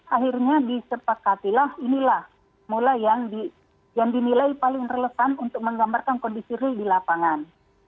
akhirnya disepakatilah inilah mula yang dinilai paling relevan untuk menggambarkan kondisi real di lapangan